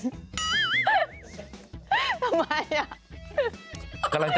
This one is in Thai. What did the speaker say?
ทำไม